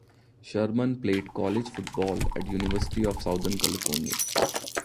Sherman played college football at the University of Southern California.